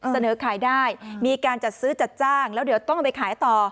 เสนอขายได้มีการจัดซื้อจัดจ้างแล้วเดี๋ยวต้องเอาไปขายต่อ